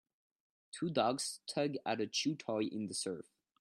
Two dogs tug at a chew toy in the surf